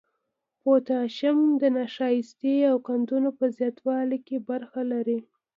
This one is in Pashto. پوتاشیم د نشایستې او قندونو په زیاتوالي کې برخه لري.